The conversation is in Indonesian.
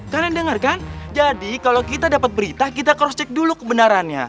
kalian dengar kan jadi kalau kita dapat berita kita cross check dulu kebenarannya